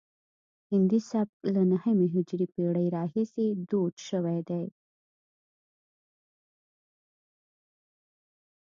هندي سبک له نهمې هجري پیړۍ راهیسې دود شوی دی